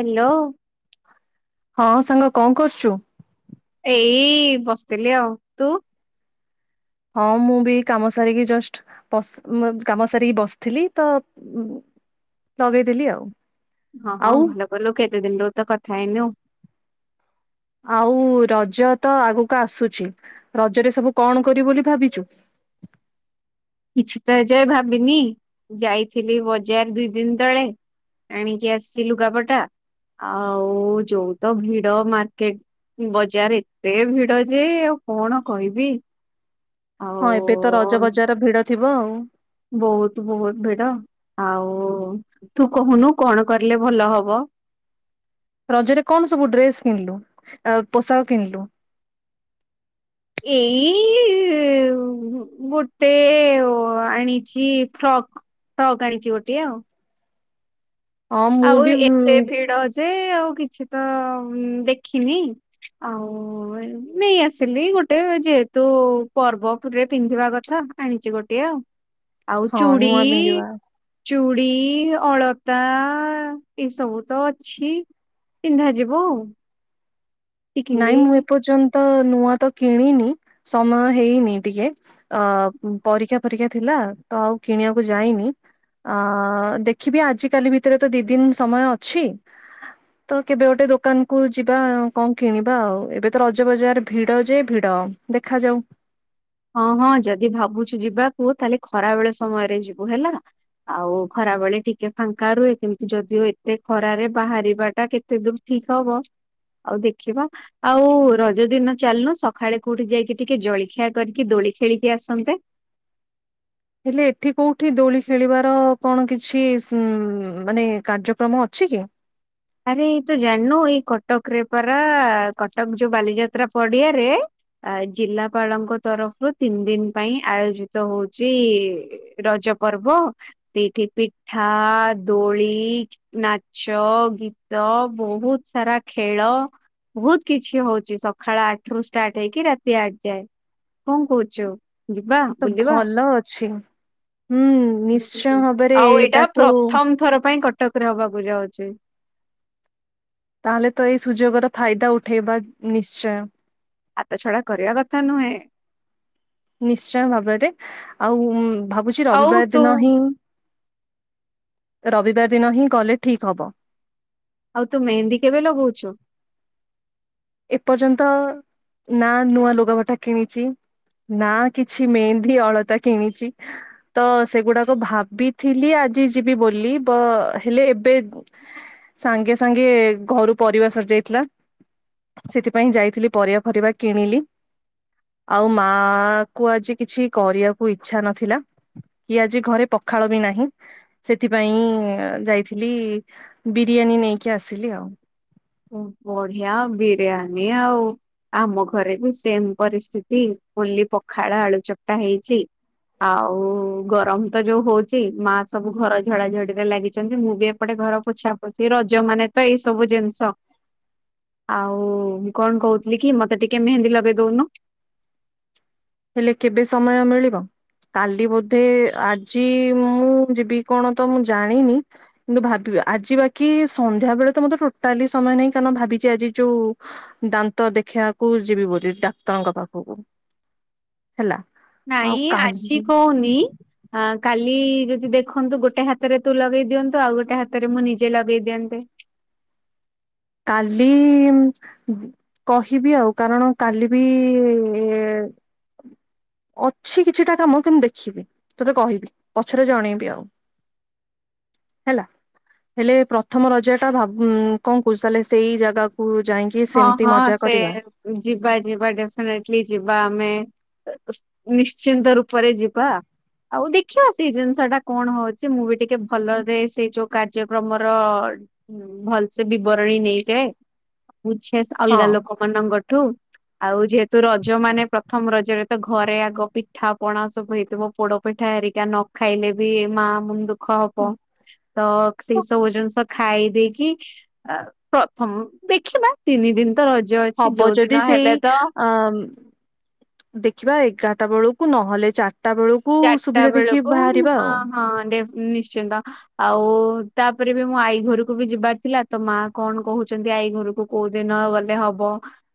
Hello ହଁ ସାଙ୍ଗ କଣ କରୁଛୁ? ଏଇ ବସିଥିଲି ଆଉ ତୁ? ହଁ ମୁଁ ବି କାମ ସାରିକି ଜଷ୍ଟ କାମ ସାରିକି ବସିଥିଲି ତ ଲଗେଇଥିଲଥିଲି ଆଉ ହଁ ହଁ ଆଉ ଭଲ କଲୁ କେତେ ଦିନରୁ ତ କଥା ହେଇନି ଆଉ। ଆଉ ରଜ ତ ଆଗକୁ ଆସୁଛି ରଜରେ ସବୁ କଣ କରିବି ବୋଲି ଭାବିଛୁ। କିଛି ତ ଏ ଯା ଭାବିନି ଯାଇଥିଲି ବଜାର ଦୁଇ ଦିନ ତଳେ ଆଣିକି ଆସି ଲୁଗାପଟା ଆଉ ଯୋଉ ତ ଭିଡ ମାର୍କେଟ ବଜାର ଏତେ ଭିଡ ଯେ ଆଉ କଣ କହିବି। ଆଉ ହଁ ଏବେ ତ ରଜ ବଜାର ଭିଡ ଥିବ ଆଉ ବହୁତ ବହୁତ ଭିଡ ଆଉ ତୁ କହୁନୁ କଣ କରିଲେ ଭଲ ହବ। ରଜରେ କଣ ସବୁ ଡ୍ରେସ୍ କିଣିଲୁ ପୋଷାକ କିଣିଲୁ? ଏଇ ଗୋଟେ ଆଣିଛି ଫ୍ରକ୍ ଫ୍ରକ୍ ଆଣିଛି ଗୋଟେ ଆଉ ହଁ ମୁଁ ଆଉ ବି ଉଁ, ଏତେ ଭିଡ ଯେ ଆଉ କିଛି ତ ଦେଖିନି ଆଉ ନେଇ ଆସିଲି ଗୋଟେ ଯେହେତୁ ପର୍ବପରେ ପିନ୍ଧିବା କଥା ଆଣିଛି ଗୋଟିଏ ଆଉ ଆଉ ହଁ ଚୁଡ଼ି ନୂଆ ପିନ୍ଧିବା ଚୁ ଵି ଅଳତା ଆ ତା ଏଇସବୁ ତ ଅଛି ଚିହ୍ନା ଯିବ ଆଉ ନାଇଁ ଟିକିଲି ମୁଁ ଏପର୍ଯ୍ୟନ୍ତ ତ ନୂଆ ତ କିଣିନି ସମୟ ହେଇନି ଟିକେ ଅ ପରୀକ୍ଷା ପରୀକ୍ଷା ଥିଲା ତ ଆଉ କିଣିବାକୁ ଯାଇନି ଅ ଦେଖିବି ଆଜିକାଲି ଭିତରେ ତ ଦି ଦିନ ସମୟ ଅଛି ତ କେବେ ଗୋଟେ ଦୋକାନ କୁ ଯିବା କଣ କିଣିବା ଆଉ ଏବେ ତ ରଜ ବଜାର ଭିଡ ଯେ ଭିଡ ଦେଖାଯାଉ। ହଁ ହଁ ଯଦି ଭାବୁଛୁ ଯିବାକୁ ତାହେଲେ ଖରା ବେଳେ ସମୟରେ ଯିବୁ ହେଲା ଆଉ ଖରା ବେଳେ ଟିକେ ଫାଙ୍କା ରୁହେ କିମତି ଯଦିଓ ଏତେ ଖରାରେ ବାହାରିବା ଟା କେତେ ଦୂର ଠିକ ହବ ଆଉ ଦେଖିବା ଆଉ ରଜ ଦିନ ଚାଲନୁ ସକାଳେ କୋଉଠି ଯାଇକି ଟିକେ ଜଳଖିଆ କରିକି ଦୋଳି ଖେଳିକି ଆସନ୍ତେ। ହେଲେ ଏଠି କୋଉଠି ଦୋଳି ଖେଳିବାର କଣ କିଛି ଉ ମାନେ କାର୍ଯ୍ୟକ୍ରମ ଅଛି କି ଆରେ ଏଇ ତ ଜାଣୁ ଏଇ କଟକରେ ପରା କଟକ ଯୋଉ ବାଲିଯାତ୍ରା ପଡିଆରେ ଜିଲ୍ଲାପାଳଙ୍କ ତରଫରୁ ତିନି ଦିନ ପାଇଁ ଆୟୋଜିତ ହଉଚ ରଜ ପର୍ବ ସେଇଠି ପିଠା ଦୋଳି ନାଚ ଗୀ ତ ବହୁତ ସାରା ଖେଳ ବହୁତ କିଛି ହଉଛି ସକାଳ ଆଠ ରୁ ଷ୍ଟାର୍ଟ ହେଇକି ରାତି ଆଠ ଯାଏ କଣ କହୁଛୁ। ଯିବା ତ ବୁଲିବା ଭଲ ଅଛି ହୁଁ ହୁଁ। ନିଶ୍ଚୟ ଭାବରେ ଆଉ ଏଇଟା ଏଇଟାକୁ ପ୍ରଥମ ଥର ପାଇଁ କଟକରେ ହବାକୁ ଯାଉଛି। ତାହେଲେ ତ ଏଇ ସୁଯୋଗର ଫାଇଦା ଉଠେଇବା ନିଶ୍ଚୟ। ହାତ ଛଡା କରିବା କଥା ନୁହେଁ। ନିଶ୍ଚୟ ଭାବରେ ଆଉ ଭାବୁଛି ଆଉ ରବିବାର ଦିନ ତୁ ହିଁ ରବିବାର ଦିନ ହିଁ ଗଲେ ଠିକ୍ ହବ। ଆଉ ତୁ ମେହେନ୍ଦୀ କେବେ ଲଗଉଛୁ। ଏପର୍ଯ୍ୟନ୍ତ ନା ନୂଆ ଲୁଗାପଟା କିଣିଛି ନା କିଛି ମେହେନ୍ଦି ଅଳତା କିଣିଛି ତ ସେଗୁଡାକ ଭାବିଥିଲି ଆଜି ଯିବି ବୋଲି ହେଲେ ଏବେ ସାଙ୍ଗେ ସାଙ୍ଗେ ଘରୁ ପରିବା ସରିଯାଇଥିଲା। ସେଥିପାଇଁ ଯାଇଥିଲି ପରିବା ପରରିବା କିଣିଲି ଆଉ ମା କୁ ଆଜି କିଛି କରିବାକୁ ଇଚ୍ଛା ନଥିଲା କି ଆଜି ଘରେ ପଖାଳ ବି ନାହିଁ। ସେଥିପାଇଁ ଯାଇଥିଲି ବିରିୟାନୀ ନେଇକି ଆସିଲି ଆଉ ବଢିଆ ବିରିୟାନୀ ଆଉ ଆମ ଘରେ ବି ସେମ ପରିସ୍ଥିତି ଓଲି ପଖାଳ ଆଳୁ ଚପଟା ହେଇଛି ଆଉ ଗରମ ତ ଯୋଉ ହଉଛି ମା ସବୁ ଘର ଝଡାଝଡିରେ ଲାଗିଛନ୍ତି। ମୁଁ ବି ଏପଟେ ଘର ପୋଛା ପୋଛି ରଜ ମାନେ ତ ଏଇ ସବୁ ଜିନିଷ ଆଉ ମୁ କଣ କହୁଥିଲି କି ମତେ ଟିକେ ମେହେନ୍ଦୀ ଲଗେଇ ଦଉନୁ। ହେଲେ କେବେ ସମୟ ମିଳିବ କାଲି ବୋଧେ ଆଜି ମୁଁ ଯିବି କଣ ତ ମୁଁ ଜାଣିନି କିନ୍ତୁ ଭାବି ଆଜି ବାକି ସନ୍ଧ୍ୟା ବେଳେ ତ ମତେ ଟୋଟାଲି ସମୟ ନାହିଁ। କାରଣ ଭାବିଛି ଆଜି ଯୋଉ ଦାନ୍ତ ଦେଖିବାକୁ ଯିବି ବୋଲି ଡାକ୍ତରଙ୍କ ପାଖକୁ ହେଲା ଆଉ ନାଇଁ କାଲି ଆଜି କହୁନି କାଲି ଯଦି ଦେଖନ୍ତୁ ଗୋଟେ ହାତରେ ତୁ ଲଗେଇ ଦିଅନ୍ତୁ ଆଉ ଗୋଟେ ହାତରେ ମୁଁ ନିଜେ ଲଗେଇ ଦିଅନ୍ତେ। କାଲି କହିବି ଆଉ କାରଣ କାଲି ବି ଅଛି କିଛିଟା କାମ କିନ୍ତୁ ଦେଖିବି ତୋତେ କହିବି ପଛରେ ଜଣେଇବି ଆଉ ହେଲା ହେଲେ ପ୍ରଥମ ରଜା ଟା ଭାବୁ କଣ ଲେ ସେଇ ଜାଗାକୁ ଯାଇକି ହଁ ସେମିତି ହଁ ମଜା ସେ କରିବା ଯିବା ଯିବା ଡେଫିନାଇଟଲି ଯିବା ଆମେ। ନିଶ୍ଚିନ୍ତ ରୂପରେ ଯିବା ଆଉ ଦେଖିବା ସେଇ ଜିନିଷ ଟା କଣ ହଉଛି ମୁଁ ବି ଟିକେ ଭଲରେ ସେଇ ଯୋଉ କାର୍ଯ୍ୟକ୍ରମର ଭଲସେ ବିବରଣୀ ନେଇଯାଏ। ବୁଝିଆସ ହଁ ଅଲଗା ଲୋକମାନ ଗ ଠୁ ଆଉ ଯେହେତୁ ରଜ ମାନେ ପ୍ରଥମ ରଜରେ ତ ଘରେ ଆଗ ପିଠା ପଣା ସବୁ ହେଇଥିବ ପୋଡ ପିଠା ହେରିକା ନ ଖାଇଲେ ବି ମା ମୁଣ୍ଡ ଖ ହବ ତ ସେଇ ହ ସବୁ ଜନିଷ ଖାଇ ଦେଇକି ପ୍ରଥମ ଦେଖିବା ତିନି ଦିନ। ତ ରଜ ଅଛି ହବ ଯୋଉ ଯଦି ଦିନ ସେଇ ହେଲେ ତ ଅ ଦେଖିବା ଏଗାରଟା ବେଳକୁ ନହେଲେ ଚାରି ଚାରିଟା ବେଳକୁ ଆଉ ହଁ ହଁ ଡେ ନିଶ୍ଚିନ୍ତ। ଆଉ ତାପରେ ବି ମୁଁ ଆଈ ଘରକୁ ବି ଯିବାର ଥିଲା ତ ମା କଣ କହୁଛନ୍ତି ଆଈ ଘରକୁ କୋଉ ଦିନ ଗଲେ ହବ।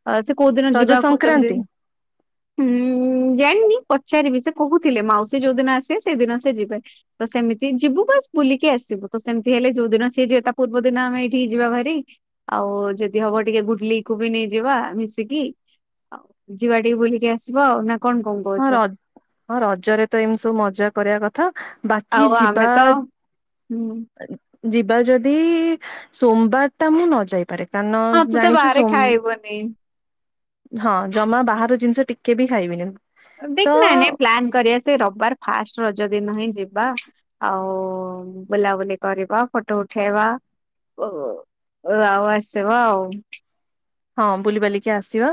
ଆ ସେ କୋଉଦିନ ରଜ ଯିବା କହୁଛନ୍ତି ସଂକ୍ରାନ୍ତି ଜାଣିନି ପଚାରିବି ସେ କହୁ ଥିଲେ ମାଉସୀ ଯୋଉଦିନ ଆସିବେ ସେଇଦିନ ସେ ଯିବେ ତ ସେମିତି ଯିବୁ ବାସ ବୁଲିକି ଆସିବୁ ତ ସେମିତି ହେଲେ ଯୋଉ ଦିନ ସିଏ ଯିବେ ତା ପୂର୍ବ ଦିନ ଆମେ ଏଇଠି ଯିବା ଭାରି ଆଉ ଯଦି ହବ ଟିକେ ଗୁଡଲିକୁ ବି ନେଇଯିବା ମିଶିକି ଆ ଯିବା ଟିକେ ବୁଲିକି ଆସିବ ଆଉ ନା କଣ କଣ ହଁ କହୁଛୁ? ର ହଁ ରଜରେ ତ ଏମିତି ସବୁ ମଜା କରିବା କଥା। ବାକି ଆଉ ଯିବା ଆମେ ତ ହୁଁ। ଯିବା ଯଦି ସୋମବାର ଟା ମୁଁ ନ ଯାଇପାରେ। କାରଣ ହଁ ତୁ ତ ଜାଣିଛୁ ବାହାରେ ସୋମ ଖାଇବୁନି। ହଁ ଜମା ବାହାର ଜିନିଷ ଟିକେ ବି ଖାଇବିନି। ତ ଦେଖିନ ନାଇଁ ପ୍ଲାନ୍ କରିବା ସେ ରବିବାର ଫାଷ୍ଟ ରଜ ର ଦିନ ହିଁ ଯିବା ଆଉ ବୁଲାବୁଲି କରିବା ଫଟୋ ଉଠେଇବା ଆଉ ଆସିବା ଆଉ। ହଁ ବୁଲିବାଲିକି ଆସିବା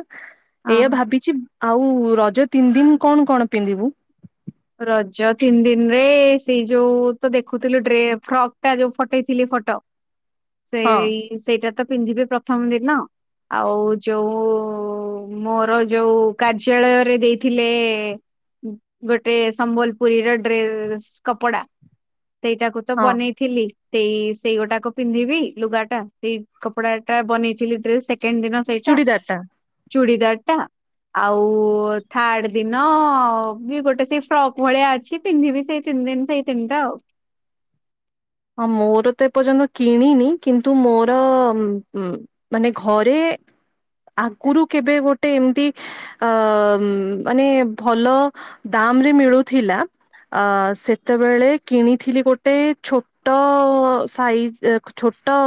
ହଁ। ଏଇଆ ଭାବିଛି ଆଉ ରଜ ତିନି ଦିନ କଣ କଣ ପିନ୍ଧିବୁ? ରଜ ତିନି ଦିନରେ ସେଇ ଯୋଉ ତ ଦେଖୁଥିଲୁ ଡ୍ରେ ଫ୍ରକ୍ ଟା ଯୋଉ ଫଟେଇଥିଲି ଫଟ। ହଁ ସେଇ ସେଇଟା ତ ପିନ୍ଧିବେ ପ୍ରଥମ ଦିନ ଆଉ ଯୋଉ ମୋର ଯୋଉ କାର୍ଯ୍ୟାଳୟରେ ଦେଇଥିଲେ ଗୋ ଟେ ସମ୍ବଲପୁରୀର ଡ୍ରେସ୍ କପଡା। ସେଇଟାକୁ ତ ହଁ ବନେଇଥିଲି। ସେଇ ସେଇଗୋଟାକ ପିନ୍ଧିବି ଲୁଗାଟା ସେଇ କପଡା ଟା ବନେଇଥିଲି ଡ୍ରେସ ସେ କେନ ଦିନ ସେଇଟା। ଚୁଡ଼ିଦାର ଟା ଚୁଡ଼ିଦାର ଟା ଆଉ-ଉ-ଉ ଥାର୍ଡ ଦିନ-ଅ-ଅ-ଅ ବି ଗୋଟେ ସେ ଫ୍ରକ୍ ଭଳିଆ ଅଛି ପିନ୍ଧିବି ସେଇ ତିନି ଦିନ ସେଇ ତିନିଟା ଆଉ। ହଁ ମୋର ତ ଏପର୍ଯ୍ୟନ୍ତ କିଣିନି। କିନ୍ତୁ ମୋର-ଅ-ଅ ମାନେ ଘରେ ଆଗରୁ କେବେ ଗୋଟେ ଏମିତି ଅ-ଅ-ଅ ମାନେ ଭଲ ଦାମରେ ମିଳୁଥିଲା। ଅ-ଅ-ଅ ସେତେବେଳେ କିଣିଥିଲି ଗୋଟେ ଛୋ ଟ-ଅ-ଅ-ଅ ସାଇଜ୍ ଛୋଟ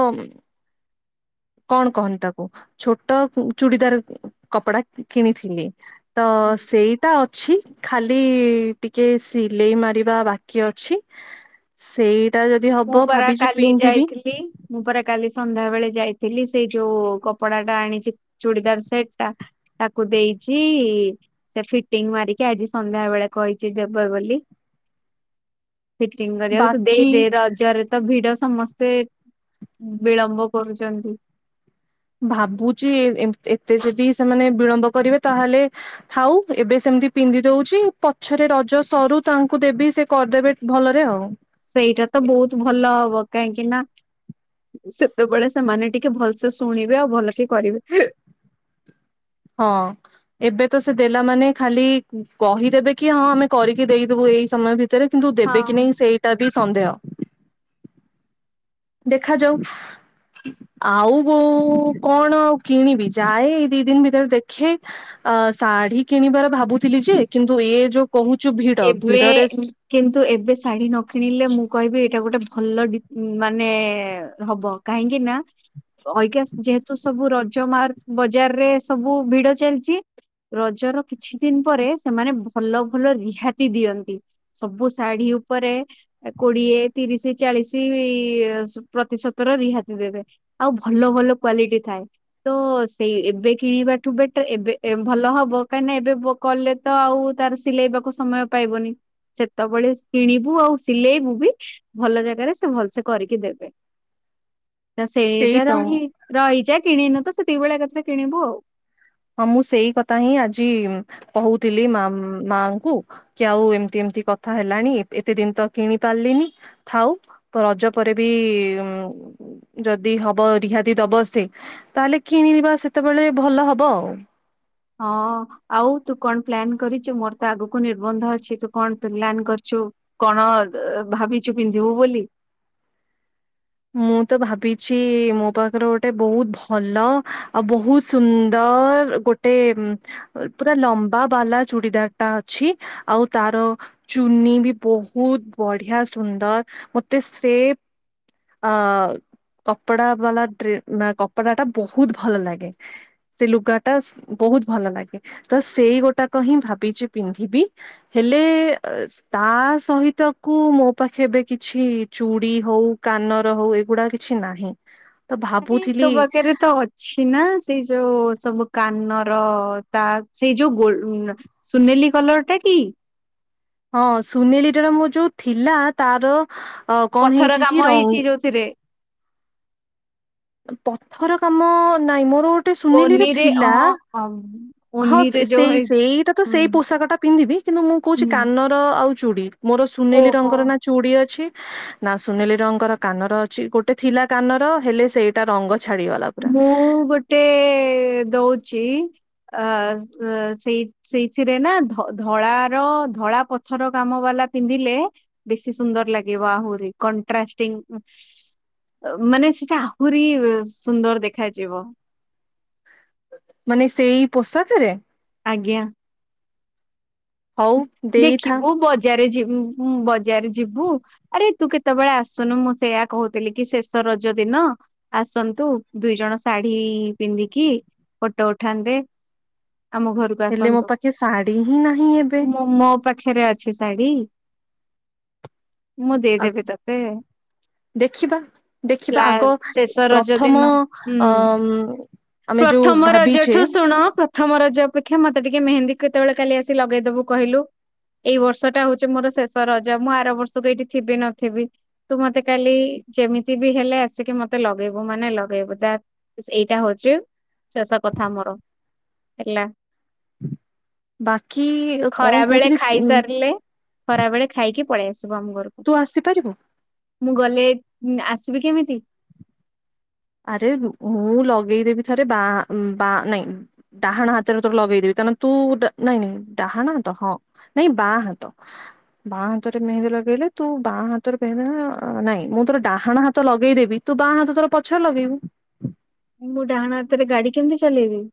କଣ କହନ୍ତି ତାକୁ ଛୋଟ ଚୁଡ଼ିଦାର କପଡା କିଣିଥିଲି। ତ-ଅ-ଅ ସେଇଟା ଅ ଛି ଖାଲି-ଇ-ଇ ଟିକେ ସିଲେଇ ମାରିବା ବାକି ଅଛି। ସେଇ ମୁଁ ପରା କାଲି ଯାଇଥିଲି। ମୁଁ ପରା କାଲି ସନ୍ଧ୍ୟା ବେଳେ ଯାଇଥିଲି ।ସେଇ ଯୋଉ-ଉ-ଉ କପଡା ଟା ଆଣିଛି ଚୁଡିଦାର ସେଟ୍ ଟା। ତାକୁ ଦେଇଛି-ଇ-ଇ ସେ ଫିଟିଙ୍ଗ ମାରିକି ଆଜି ସନ୍ଧ୍ୟା ବେଳେ କହିଛି ଦେବେ ବୋଲି। ଫିଟିଂ କରିବାକୁ ତୁ ଦେଇ ବାକି ଦେ ର ଜରେ ତ ଭିଡ ସମସ୍ତେ ବିଳମ୍ବ କରୁଛନ୍ତି। ଭାବୁଛି ଏମ ଏତେ ଯଦି ସେମାନେ ବିଳମ୍ବ କରିବେ ତାହେଲେ ଥାଉ। ଏବେ ସେମିତି ପିନ୍ଧି ଦଉଛି ପଛରେ ରଜ ସରୁ ତାଙ୍କୁ ଦେବି ସେ କରିଦେବେ ଭଲରେ ଆଉ। ସେଇଟା ତ ବହୁତ ଭଲ ହବ କାହିଁକି ନା ସେତେବେଳେ ସେମାନେ ଟିକେ ଭଲସେ ଶୁଣିବେ ଆଉ ଭଲ ସେ କରିବେ। ହଁ ଏବେ ତ ସେ ଦେଲା ମାନେ ଖାଲି କହିଦେବେ କି ହଁ ଆମେ କରିକି ଦେଇଦବୁ ଏଇ ସମୟ ଭିତ ରେ କିନ୍ତୁ ହଁ। ଦେବେ କି ନାହିଁ ସେଇଟା ବି ସନ୍ଦେହ ଦେଖାଯାଉ ଆଉ କୋଉ କଣ ଆଉ କିଣିବି ଯାଏ ଏଇ ଦି ଦିନ ଭି ତରେ ଦେଖେ ଅ ଶାଢୀ କିଣିବାର ଭାବୁଥିଲି ଯେ କିନ୍ତୁ ଏ ଯୋଉ କହୁଛୁ ଭିଡ ଏବେ ଭିଡରେ କିନ୍ତୁ ଏବେ ଶାଢୀ ନ କିଣିଲେ ମୁଁ କହିବି ଏଇଟା ଗୋଟେ ଭଲ ଡି ମାନେ-ଏ-ଏ ହବ କାହିଁକି ନା ଅଇକା ଯେହେତୁ ସବୁ ରଜ ମାର୍କ ବଜାରରେ ସବୁ ଭିଡ ଚାଲିଛି। ରଜର କିଛି ଦିନ ପରେ ସେମାନେ ଭଲ ଭଲ ରିହାତି ଦିଅନ୍ତି ସବୁ ଶାଢ଼ୀ ଉପରେ ଏ କୋଡିଏ ତିରିଶି ଚାଳିଶି-ଇ-ଇ-ଇ ପ୍ରତିଶତ ର ରିହାତି ଦେବେ। ଆଉ ଭଲ ଭଲ କ୍ଵାଲିଟି ଥାଏ। ତ-ଅ-ଅ-ଅ ସେଇ ଏବେ କିଣିବାଠୁ ବେଟର ଏବେ ଏ ଭଲ ହବ। କାହିଁକିନା ଏବେ କଲେ ତ ଆଉ ତାର ସିଲେଇବାକୁ ସମୟ ପାଇବନି ସେତେବେଳେ ସ୍ କିିଣିବୁ ଆଉ ସିଲେଇବୁ ବି ଭଲ ଜାଗାରେ ସେ ଭଲସେ କରିକି ଦେବେ। ତ ସେଇ ସେଇଟା ତ ରହି ରହିଯା କିଣିନ ତ ସେତିକି ବେଳେ ଏକାଥରେ କିଣିବୁ ଆଉ। ହଁ ମୁଁ ସେଇ କଥା ହିଁ ଆଜି-ଇ-ଇ କହୁଥିଲି ମାମ୍ ମାଙ୍କୁ କି ଆଉ ଏମିତି ଏମିତି କଥା ହେଲାଣି। ଏତେ ଦିନ ତ କିଣି ପାରିଲିନି। ଥାଉ ରଜ ପରେ ବି-ଇ-ଇ-ଇ ଯଦି ହବ ରିହାତି ଦବ ସେ। ତାହେଲେ କିଣିବା ସେତେବେଳେ ଭଲ ହବ। [inaudible] ହଁ-ଅ-ଅ ଆଉ ତୁ କଣ ପ୍ଲାନ କରିଛୁ? ମୋର ତ ଆଗକୁ ନିର୍ବନ୍ଧ ଅଛି ତୁ କଣ ପ୍ ପ୍ଲାନ କରିଛୁ। କଣ ଅ ଭାବିଛୁ ପିନ୍ଧିବୁ ବୋଲି? ମୁଁ ତ ଭାବିଛି-ଇ-ଇ ମୋ ପାଖରେ ଗୋଟେ ବହୁତ ଭଲ ଆଉ ବହୁତ ସୁନ୍ଦର ଗୋଟେ ପୁରା ଲମ୍ବା ବାଲା ଚୁଡ଼ିଦାର ଟା ଅଛି। ଆଉ ତାର ଚୁନି ବି ବହୁତ ବଢିଆ ସୁନ୍ଦର। ମତେ ସେ ଅ-ଅ-ଅ କପଡା ବାଲା ଡ୍ରେ ମା କପଡା ଟା ବହୁତ ଭଲ ଲାଗେ। ସେ ଲୁଗାଟା ସ୍ ବହୁତ ଭଲ ଲାଗେ। ତ ସେଇ ଗୋଟାକ ହିଁ ଭାବିଛି ପିନ୍ଧିବି। ହେଲେ-ଏ-ଏ-ଏ ତା ସହିତ କୁ ମୋ ପାଖେ ଏବେ କିଛି ଚୁଡି ହଉ କାନର ହଉ ଏଗୁଡା କିଛି ନାହିଁ। ତ ଆରେ ତୋ ଭାବୁଥିଲି ପାଖରେ ତ ଅଛି ନା ସେଇ ଯୋଉ ସବୁ କାନର ତା ସେଇ ଯୋଉ ଗୋ ଉ-ଉ-ଉ ସୁନେଲି କଲର ଟା କି ହଁ ସୁନେଲିଟାର ମୋର ଯୋଉ ଥିଲା ତାର ଅ କଣ ପଥର ହେଇଛି କି କାମ ରଙ୍ଗ ହେଇଛି ଯୋଉଥିରେ ପଥର କାମ ନାଇଁ ମ ମୋର ଗୋଟେ ସୁନିଲିର ଓନିରେ ଥିଲା। ହଁ ହଁ ସେ ଓନିରେ ଯୋଉ ସେଇ ହେଇଛି ସେଇଟା ତ ହୁଁ ସେଇ ପୋଷାକ ଟା ପିନ୍ଧିବି କିନ୍ତୁ ମୁଁ କହୁଛି ହୁଁ କାନର ଆଉ ଚୁଡ଼ି ମୋର ସୁନେଲି ଓହୋ। ରଙ୍ଗର ନା ଚୁଡ଼ି ଅଛି। ନା ସୁନେଲି ରଙ୍ଗର କାନର ଅଛି। ଗୋଟେ ଥିଲା କାନର ହେଲେ ସେଇ ତା ରଙ୍ଗ ମୁଁ ଗୋଟେ ଅ ସେଇ ସେଇ ସୁନ୍ଦର ଦେଖାଯିବ। [inaudible] ମାନେ ସେଇ ପୋଷାକରେ? ଆଜ୍ଞା। ହଉ ଦେଇଥା ଦେଖିବୁ ବଜାର ଯି ବଜାର ଯିବୁ ଆରେ ତୁ କେତେବେଳେ ଆସୁନୁ ମୁଁ ସେଇୟା କହୁଥିଲି କି ଶେଷ ରଜ ଦିନ ଆସନ୍ତୁ ଦୁଇ ଜଣ ଶାଢୀ ପିନ୍ଧିକି ଫଟୋ ଉଠାନ୍ତେ। ଆମ ଘରକୁ ହେଲେ ମୋ ଆସନ୍ତୁ। ପାଖେ ଶାଢୀ ହିଁ ନାହିଁ ଏବେ। ତୋ ପାଖରେ ଅଛି ଶାଢୀ। [inaudible] ମୁଁ ଆଉ ଦେଇଦେବି ତତେ [inaudible] ଦେଖିବା ଦେଖିବା ଆଗ ଶେଷ ରଜ ପ୍ରଥମ ଦିନ ଅ ହୁଁ ଆମେ ଯୋଉ ପ୍ରଥମ ରଜ ଭାବିଛେ ଠୁ ଶୁଣ ପ୍ରଥମ ରଜ ଅପେକ୍ଷା ମତେ ଟିକେ ମେନ୍ଦୀ କେତେବେଳୋଲି ଆସି ଲଗେଇଦବୁ। କହିଲୁ ଏଇ ବର୍ଷ ଟା ହଉଛି ମୋର ଶେଷ ରଜ ମୁଁ ଆର ବର୍ଷକୁ ଏଇଠି ଥିବି ନଥିବି ତୁ ମତେ କାଲି ଯେମିତି ବି ହେଲେ ଆସିକି ମତେ ଲଗେଇବୁ ମାନେ ଲଗେଇବୁ ଏଇଟା ହଉଛି ଶେଷ କଥା ମୋର [inaudible] ହେଲା। ବାକି କଣ ଖରା ବେଳେ କହୁଥିଲି ଖାଇ ଉଁ, ସାରିଲେ। ଖରାବେେଳେ ଖାଇକି ପଳେଇ ଆସିବ। ଆମ ଘରକୁ ତୁ ଆସିପାରିବୁ? ମୁଁ ଗଲେ ଆସିବି କେମିତି? [inaudible] ଆରେ ମୁଁ ଲଗେଇଦେବି ଥରେ ବା ନାଇଁ ଡାହାଣ ହାତରେ ତୋର ଲଗେଇଦେବି କାରଣ ତୁ ନାଇଁ ନାଇଁ ଡାହାଣ ହାତ ହଁ ନାଇଁ ବାଁ ହାତ ବାଁ ହାତରେ ମେହେନ୍ଦୀ ଲଗେଇଲେ ତୁ ବାଁ ହାତରେ ମେହେନ୍ଦା ନାଇଁ ମୁଁ ତୋର ଡାହାଣ ହାତ ଲଗେଇଦେବି ତୁ ବାଁ ହାତ ତୋର ପ ପଛ ଲଗେଇବୁ। ମୁଁ ଡାହାଣ ହାତରେ ଗାଡି କେମିତି ଚଲେଇବି।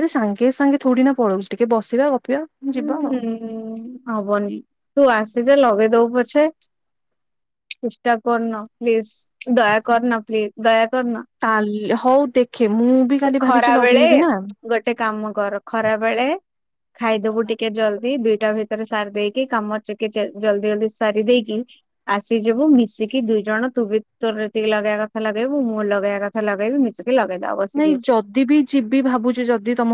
ଆରେ ସାଙ୍ଗେ ସାଙ୍ଗେ ଥୋଡିିନା ପଳଉଛି ଟିକେ ବସିବା। ଗପିବା ଯିବା ହୁଁ ଆଉ। ହବନି ତୁ ଆସେ ଯୋ ଲଗେଇ। ଦଉ ପଛେ [inaudible] ଚେଷ୍ଟା କରନ ପ୍ଲିଜ ଦୟା କରନ ପ୍ଲିଜ ଦୟା କରନା। ତାଲି ହଉ ଦେଖ। ତୁ ଖରା ବେଳେ ଗୋଟେ କାମ କର ଖରା ବେଳେ ଖାଇଦବୁ ଟିକେ ଜଲ୍ଦି ଦୁଇ ଟା ଭିତରେ ସାରି ଦେଇକି କାମ ଟିକେ ଜଲଦି ଜଲଦି ସାରି ଦେଇକି ଆସିଯିବୁ ମିଶିକି ଦୁଇ ଜଣ ତୁ ବି ତୋରତିେ ଲଗେଇବା କଥା ଲଗେଇବୁ ମୁଁ ଲଗେଇବା କଥା ଲଗେଇବି ମିଶିକି ଲଗେଇ ଦବ। ନାଇଁ ଯଦି ବି ଯିବି ଭାବୁଚି ଯଦି ତମ